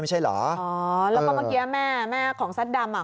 ไม่ใช่เหรออ๋อแล้วก็เมื่อกี้แม่แม่ของซัดดำอ่ะ